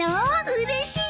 うれしい！